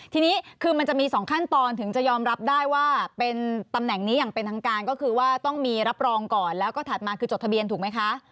ทีนี้คือมันจะมีสองขั้นตอนถึงจะยอมรับได้ว่าเป็นตำแหน่งนี้อย่างเป็นทางการก็คือว่าต้องมีรับรองก่อนแล้วก็ถัดมาคือจดทะเบียนถูกไหมคะ